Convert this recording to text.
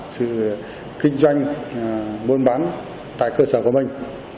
sự kinh doanh buôn bán tại cơ sở của mình